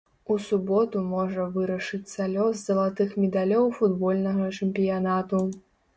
У суботу можа вырашыцца лёс залатых медалёў футбольнага чэмпіянату.